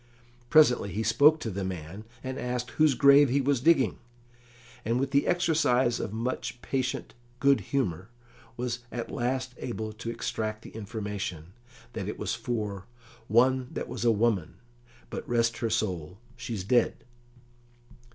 Presently he spoke to the man, and asked whose grave he was digging, and with the exercise of much patient good humour was at last able to extract the information that it was for "one that was a woman, but, rest her soul, she's dead."